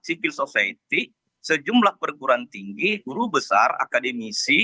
civil society sejumlah perguruan tinggi guru besar akademisi